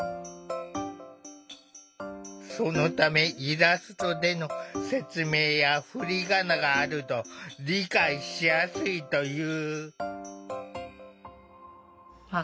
そのためイラストでの説明や振り仮名があると理解しやすいという。